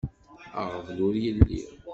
Aɣbel ur yelli.